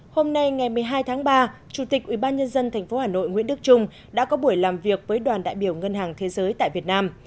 hôm nay ngày một mươi hai tháng ba chủ tịch ubnd tp hà nội nguyễn đức trung đã có buổi làm việc với đoàn đại biểu ngân hàng thế giới tại việt nam